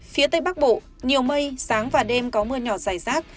phía tây bắc bộ nhiều mây sáng và đêm có mưa nhỏ dài rác